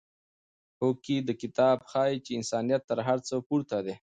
هوکې دا کتاب ښيي چې انسانیت تر هر څه پورته دی.